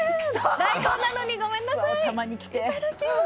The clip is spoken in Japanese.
代行なのにごめんなさい。